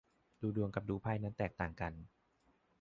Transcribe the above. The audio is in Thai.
ดูดวงกับดูไพ่นั้นแตกต่างกัน